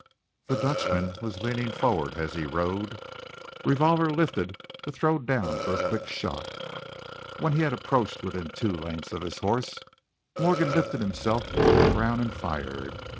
The Dutchman was leaning forward as he rode, revolver lifted to throw down for a quick shot. When he had approached within two lengths of his horse, Morgan lifted himself from the ground and fired.